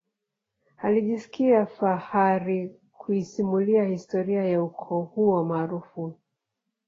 alijisikia fahari kuisimulia historia ya ukoo huo maarufu